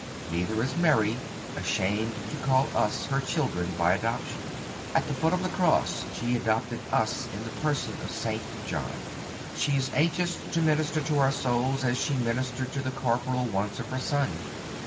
(266) Neither is Mary ashamed to call us her children by adoption. At the foot of the cross she adopted us in the person of St. John. She is anxious to minister to our souls as she ministered to the corporal wants of her Son.